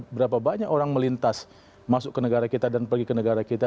berapa banyak orang melintas masuk ke negara kita dan pergi ke negara kita